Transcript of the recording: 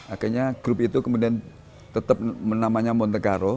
akhirnya grup itu kemudian tetap namanya monte carlo